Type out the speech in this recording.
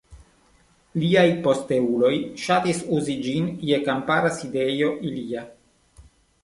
Liaj posteuloj ŝatis uzi ĝin je kampara sidejo ilia.